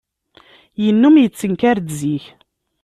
Yennum yettenkar-d zik.